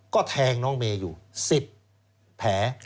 ก็แทงน้องเมอยู่สิบแผล